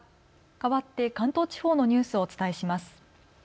かわって関東地方のニュースをお伝えします。